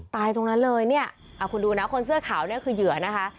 ตายตรงนั้นเลยเนี่ยคุณดูนะคนเสื้อขาวเนี่ยคือเหยื่อนะคะ